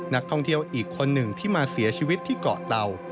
นักท่องเที่ยวอีกคนหนึ่งที่มาเสียชีวิตที่เกาะเตา